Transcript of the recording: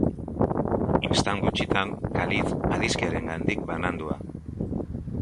Istant gutxitan Khalid adiskidearengandik banandua.